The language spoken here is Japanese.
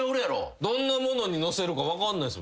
どんなものに乗せるか分かんないです。